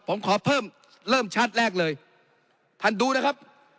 ผมขอเพิ่มเริ่มชาติแรกเลยท่านดูนะครับ